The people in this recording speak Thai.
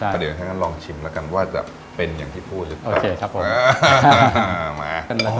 ก็เดี๋ยวถ้างั้นลองชิมแล้วกันว่าจะเป็นอย่างที่พูดหรือเปล่าโอเคครับผม